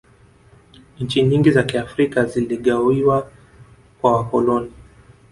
nchi nyingi za kiafrika ziligawiwa kwa wakoloni